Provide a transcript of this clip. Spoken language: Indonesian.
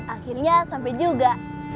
akhirnya sampe juga